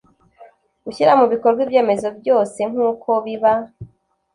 gushyira mu bikorwa ibyemezo byose nk uko biba